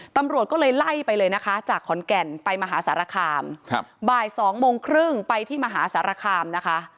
ตำรวจก็เลยไล่ไปเลยนะคะจากขอนแก่นไปมหาสารคามบ่าย๒โมงครึ่งไปที่มหาสารคามนะคะ